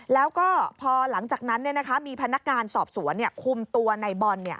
แล้วก็พอหลังจากนั้นมีพนักงานสอบสวนคุมตัวในบอล